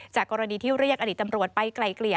กรณีที่เรียกอดีตตำรวจไปไกลเกลี่ย